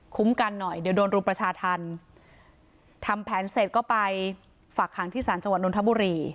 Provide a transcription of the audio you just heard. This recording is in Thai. กันหน่อยเดี๋ยวโดนรุมประชาธรรมทำแผนเสร็จก็ไปฝากหางที่ศาลจังหวัดนทบุรี